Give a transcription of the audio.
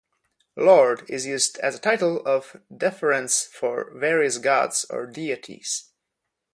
Lord is used as a title of deference for various gods or deities.